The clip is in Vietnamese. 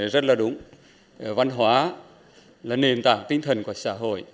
rất là đúng văn hóa là nền tảng tinh thần của xã hội